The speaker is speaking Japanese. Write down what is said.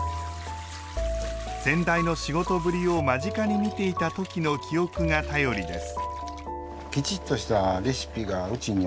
先代の仕事ぶりを間近に見ていた時の記憶が頼りです